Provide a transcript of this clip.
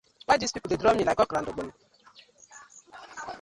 Why dis pipu dey draw like okra and ogbono.